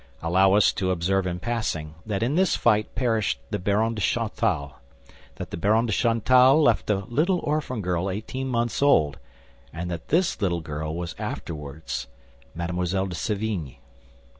Allow us to observe in passing that in this fight perished the Baron de Chantal; that the Baron de Chantal left a little orphan girl eighteen months old, and that this little girl was afterward Mme. de Sévigné.